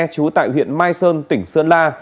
chú tại huyện mai sơn tỉnh sơn la